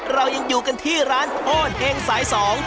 เรายังอยู่กันที่ร้านโคตรเห็งสายสอง